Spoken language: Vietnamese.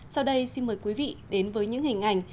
sau đây xin mời quý vị đến với những hình ảnh